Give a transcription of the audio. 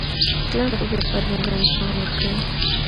اسلام د ښځو لپاره ځانګړی مقام ورکړی دی.